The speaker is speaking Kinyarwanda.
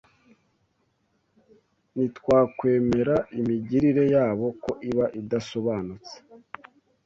Ntitwakwemera imigirire yabo ko iba idasobanutse